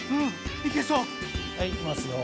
はいいきますよ。